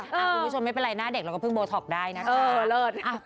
คุณผู้ชมไม่เป็นไรหน้าเด็กเราก็เพิ่งโบท็อกได้นะคะ